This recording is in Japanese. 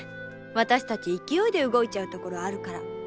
私たち勢いで動いちゃうところあるから。